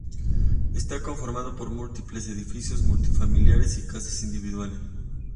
Está conformada por múltiples edificios multifamiliares y casas individuales.